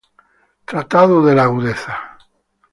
Tratado de la Agudeza".